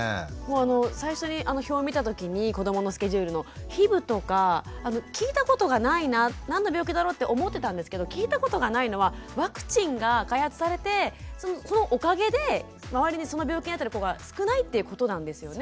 最初にあの表見た時に子どものスケジュールのＨｉｂとか聞いたことがないな何の病気だろうって思ってたんですけど聞いたことがないのはワクチンが開発されてそのおかげで周りにその病気になってる子が少ないってことなんですよね。